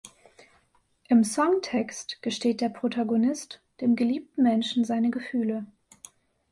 Im Songtext gesteht der Protagonist dem geliebten Menschen seine Gefühle.